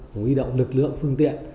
huy động lực lượng phương tiện